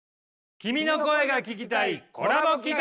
「君の声が聴きたい」コラボ企画。